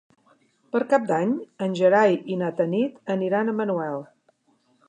Per Cap d'Any en Gerai i na Tanit aniran a Manuel.